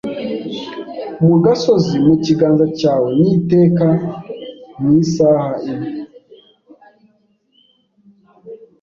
mu gasozi mu kiganza cyawe niteka mu isaha imwe